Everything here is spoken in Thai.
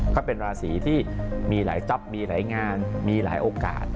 ก็เป็นราศีที่มีหลายจ๊อปมีหลายงานมีหลายโอกาส